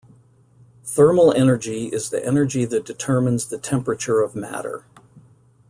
Thermal energy is the energy that determines the temperature of matter.